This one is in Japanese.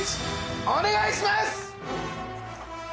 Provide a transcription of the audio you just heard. お願いします！